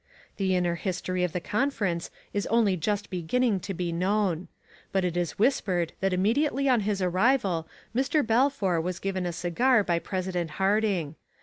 The inner history of the conference is only just beginning to be known. But it is whispered that immediately on his arrival Mr. Balfour was given a cigar by President Harding.